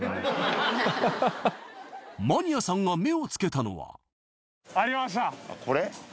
マニアさんが目を付けたのはこれ？